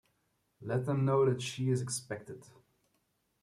Let them know that she is expected.